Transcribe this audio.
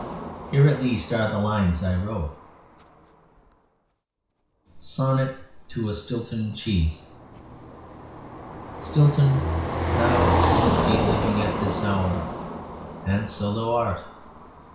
Here, at least, are the lines I wrote: SONNET TO A STILTON CHEESE Stilton, thou shouldst be living at this hour And so thou art.